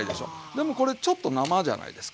でもこれちょっと生じゃないですか。